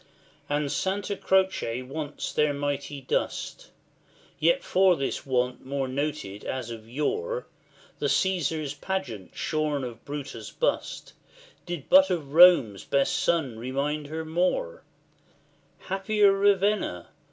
LIX. And Santa Croce wants their mighty dust; Yet for this want more noted, as of yore The Caesar's pageant, shorn of Brutus' bust, Did but of Rome's best son remind her more: Happier Ravenna!